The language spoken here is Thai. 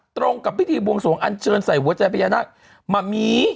ตรงกับพิธีบวงสวงอันเชิญใส่หัวใจพญานาคมามี